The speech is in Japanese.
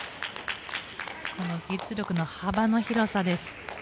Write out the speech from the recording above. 技術力の幅の広さです。